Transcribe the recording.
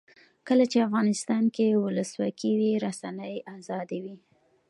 کله چې افغانستان کې ولسواکي وي رسنۍ آزادې وي.